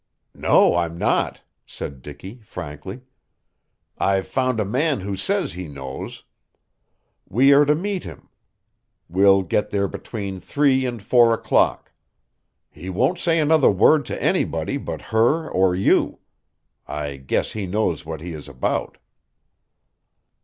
"No, I'm not," said Dicky frankly. "I've found a man who says he knows. We are to meet him. We'll get there between three and four o'clock. He won't say another word to anybody but her or you. I guess he knows what he is about."